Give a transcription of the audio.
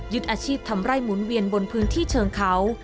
อาชีพทำไร่หมุนเวียนบนพื้นที่เชิงเขา